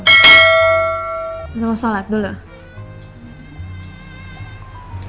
kita mau sholat dulu